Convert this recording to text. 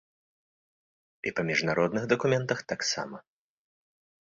І па міжнародных дакументах таксама.